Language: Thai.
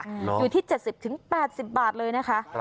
อยู่ที่๗๐๘๐บาทเลยนะคะ